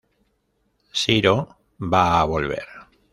Shiro va a volver!